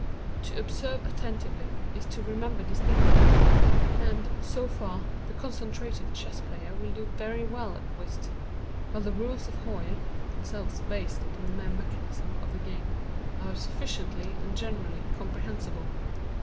To observe attentively is to remember distinctly; and, so far, the concentrative chess player will do very well at whist; while the rules of Hoyle (themselves based upon the mere mechanism of the game) are sufficiently and generally comprehensible.